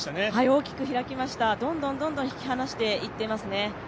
大きく開きました、どんどん引き離していってますね。